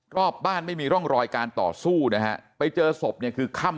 รอบบ้านไม่มีร่องรอยการต่อสู้นะฮะไปเจอศพเนี่ยคือค่ำ